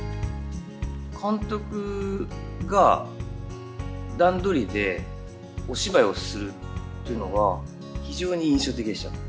監督が段取りでお芝居をするっていうのが、非常に印象的でした。